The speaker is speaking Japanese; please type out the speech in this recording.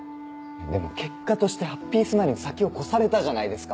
でも結果としてハッピースマイルに先を越されたじゃないですか。